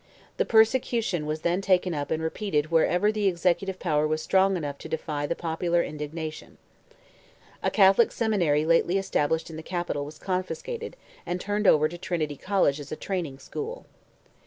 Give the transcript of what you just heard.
The persecution was then taken up and repeated wherever the executive power was strong enough to defy the popular indignation. A Catholic seminary lately established in the capital was confiscated, and turned over to Trinity College as a training school.